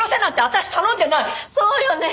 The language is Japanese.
そうよね。